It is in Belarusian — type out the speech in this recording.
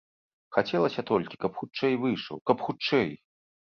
Хацелася толькі, каб хутчэй выйшаў, каб хутчэй.